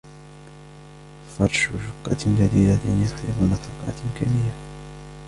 فرش شقة جديدة يفرض نفقات كبيرة.